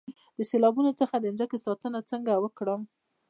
د سیلابونو څخه د ځمکو ساتنه څنګه وکړم؟